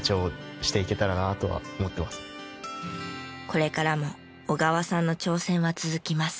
これからも小川さんの挑戦は続きます。